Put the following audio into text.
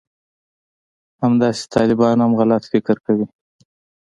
همداسې طالبان هم غلط فکر کوي